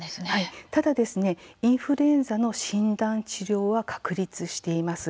ただ、インフルエンザの診断、治療は確立しています。